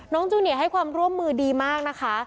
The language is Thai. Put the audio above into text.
จูเนียให้ความร่วมมือดีมากนะคะ